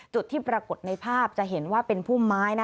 จุดที่ปรากฏในภาพจะเห็นว่าเป็นพุ่มไม้